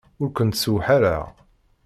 Ur kent-ssewḥaleɣ.